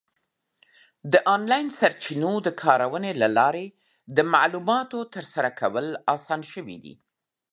د آنلاین سرچینو د کارونې له لارې د معلوماتو ترلاسه کول اسان شوي دي.